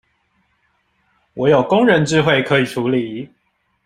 我有工人智慧可以處理